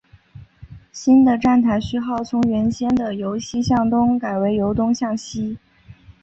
新的站台序号从原先的由西向东改为由东向西。